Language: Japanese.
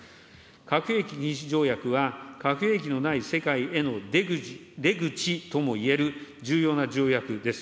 核兵器禁止条約は核兵器のない世界への出口ともいえる重要な条約です。